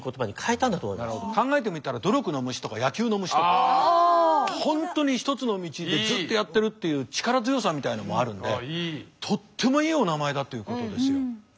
考えてみたら本当に一つの道でずっとやってるっていう力強さみたいのもあるんでとってもいいお名前だということですよ。